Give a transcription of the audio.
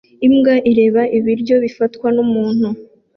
Imbwa ireba ibiryo bifatwa numuntu